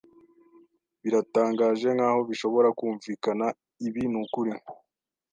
Biratangaje nkaho bishobora kumvikana, ibi nukuri.